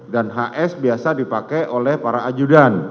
dan hs biasa dipakai oleh para ajudan